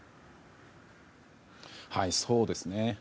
そうですね。